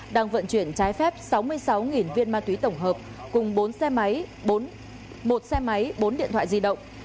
đang vận chuyển trái phép sáu mươi sáu viên ma túy tổng hợp cùng bốn xe máy một xe máy bốn điện thoại di động